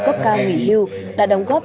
cấp cao nghỉ hưu đã đóng góp